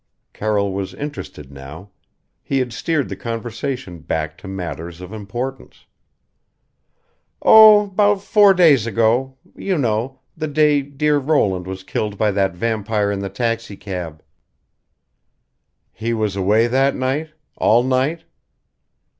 Carroll was interested now he had steered the conversation back to matters of importance: "Oh! 'bout four days ago you know the day dear Roland was killed by that vampire in the taxicab." "He was away that night: all night?"